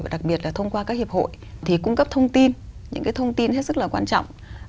và đặc biệt là thông qua các hiệp hội thì cung cấp thông tin những thông tin hết sức là quan trọng